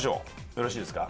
よろしいですか？